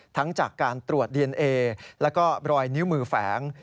ทั้งจากการตรวจดีเอนเอและรอยนิ้วมือแฝง